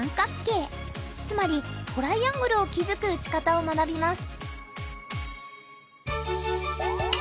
つまりトライアングルを築く打ち方を学びます。